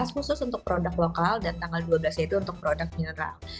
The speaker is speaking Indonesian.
sepuluh sebelas khusus untuk produk lokal dan tanggal dua belas dua belas itu untuk produk mineral